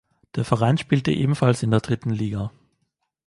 Der Verein spielte ebenfalls in der dritten Liga.